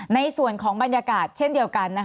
ในส่วนของบรรยากาศเช่นเดียวกัน